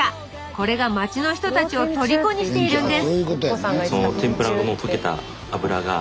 これが町の人たちをとりこにしているんです